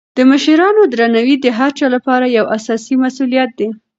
د مشرانو درناوی د هر چا لپاره یو اساسي مسولیت دی.